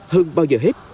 hơn bao giờ hết